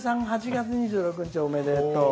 ８月２６日おめでとう。